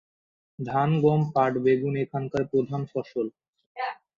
ধান, গম, পাট, বেগুন এখানকার প্রধান ফসল।